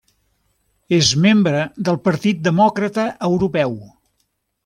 És membre del Partit Demòcrata Europeu.